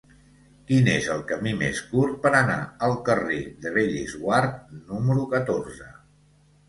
Quin és el camí més curt per anar al carrer de Bellesguard número catorze?